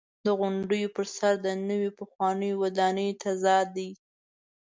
د غونډیو پر سر د نویو او پخوانیو ودانیو تضاد دی.